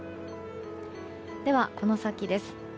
では、この先です。